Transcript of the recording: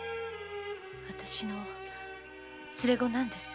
あたしの連れ子なんです。